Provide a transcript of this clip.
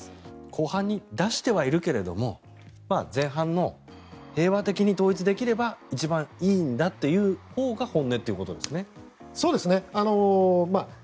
後半に出してはいるけど前半の平和的に統一できればいいんだということが一番本音ですね。